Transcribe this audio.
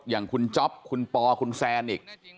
อย่างคุณจ๊อปคุณปอคุณแซนอีก